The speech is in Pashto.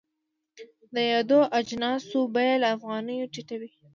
د یادو اجناسو بیه له افغانیو ټیټه وي.